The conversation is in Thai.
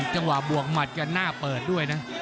จังหวะบวกหมัดกันหน้าเปิดด้วยนะ